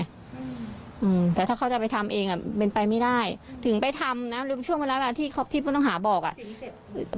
อืมแต่ถ้าเขาจะไปทำเองอ่ะเป็นไปไม่ได้ถึงไปทำนะหรือช่วงเวลาที่ผู้ต้องหาบอกอ่ะ